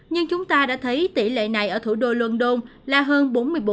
nhưng chúng ta đã thấy tỷ lệ này ở thủ đô london là hơn bốn mươi bốn